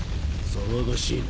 騒がしいな。